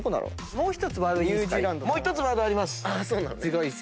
もう１つワードあります。